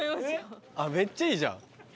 めっちゃいいじゃん。